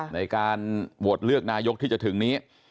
ในการโหวตเลือกนายกที่จะถึงนี้